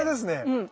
うん。